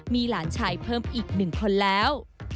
มีหลานชายเพิ่มอีก๑คนแล้ว